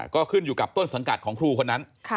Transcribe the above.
ก็ขึ้นอยู่กับต้นสังกัดของครูคนนั้น